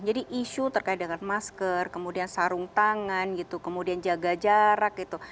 jadi isu terkait dengan masker kemudian sarung tangan gitu kemudian jaga jarak gitu